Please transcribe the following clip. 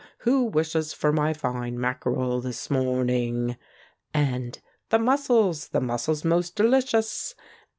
Who wishes for my fine mackerel this morning?" And "The mussels ! the mussels most delicious